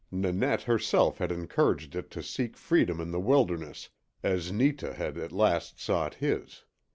Nanette herself had encouraged it to seek freedom in the wilderness, as Netah had at last sought his.